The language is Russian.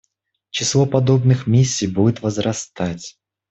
Число подобных миссий будет возрастать.